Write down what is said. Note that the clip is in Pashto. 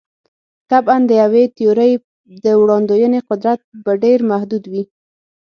طبعاً د یوې تیورۍ د وړاندوینې قدرت به ډېر محدود وي.